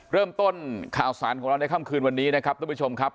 เริ่มต้นข่าวสารของเราในค่ำคืนวันนี้นะครับทุกผู้ชมครับ